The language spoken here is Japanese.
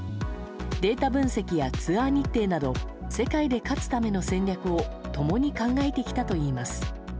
データ分析やツアー日程など世界で勝つための戦略を共に考えてきたといいます。